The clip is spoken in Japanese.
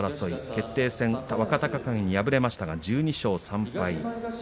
決定戦若隆景に敗れましたが１２勝３敗。